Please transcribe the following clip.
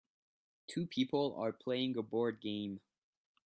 Two people are playing a board game